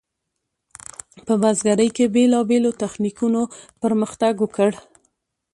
په بزګرۍ کې بیلابیلو تخنیکونو پرمختګ وکړ.